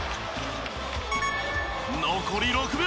残り６秒。